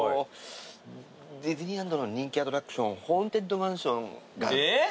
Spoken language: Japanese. ディズニーランドの人気アトラクション『ホーンテッドマンション』えっ！？